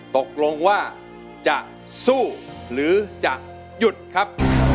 ตกลงว่าจะสู้หรือจะหยุดครับ